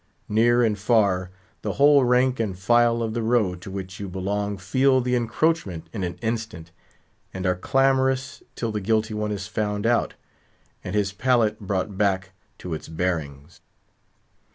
Near and far, the whole rank and file of the row to which you belong feel the encroachment in an instant, and are clamorous till the guilty one is found out, and his pallet brought back to its bearings.